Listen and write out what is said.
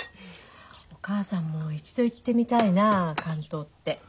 お母さんも一度行ってみたいな竿燈って。